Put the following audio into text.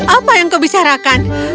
apa yang kau bisa harapkan